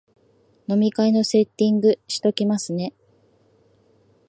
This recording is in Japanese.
飲み会のセッティングしときますね